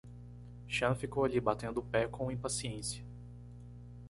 Sean ficou ali batendo o pé com impaciência.